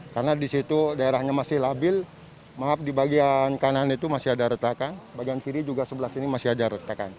karena di situ daerahnya masih labil maaf di bagian kanan itu masih ada retakan bagian kiri juga sebelah sini masih ada retakan